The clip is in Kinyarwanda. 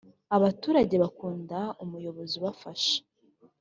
abaturage bakunda umuyobozi ubafasha.